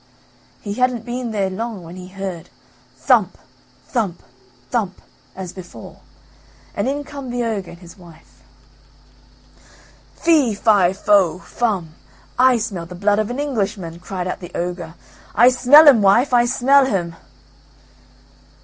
He hadn't been there long when he heard thump! thump! thump! as before, and in come the ogre and his wife. "Fee fi fo fum, I smell the blood of an Englishman," cried out the ogre; "I smell him, wife, I smell him."